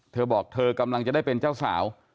เธอบอกเธอกำลังจะได้เป็นเจ้าสาว